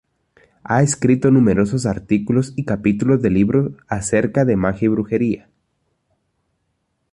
Ha escrito numerosos artículos y capítulos de libros acerca de magia y brujería.